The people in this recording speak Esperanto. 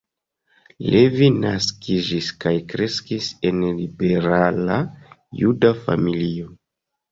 Levi naskiĝis kaj kreskis en liberala juda familio.